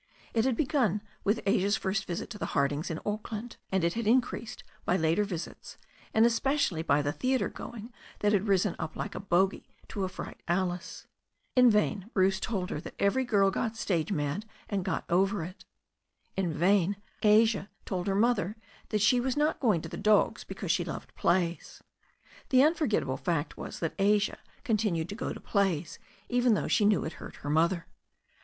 It had begun with Asia's first visit to the Hardings in Auckland, and it had been increased by later visits, and especially by the theatre going that had risen up like a bogy to affright Alice. In vain Bruce told her that every girl got stage mad and got over it. In vain Asia told her mother that she was not going to the dogs because she loved plays. The unforgetta ble fact was that Asia continued to go to plays even though she knew it hurt her mother.